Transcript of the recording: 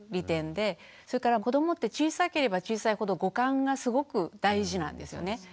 それから子どもって小さければ小さいほど五感がすごく大事なんですよね。